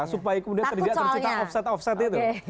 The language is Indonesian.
supaya kemudian tidak tercipta off site off site itu